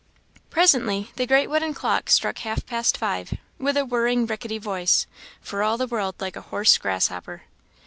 Presently the great wooden clock struck half past five, with a whirring, rickety voice, for all the world like a hoarse grasshopper.